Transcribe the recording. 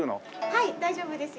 はい大丈夫ですよ。